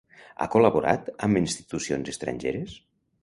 Ha col·laborat amb institucions estrangeres?